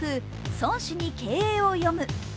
「孫子に経営を読む」。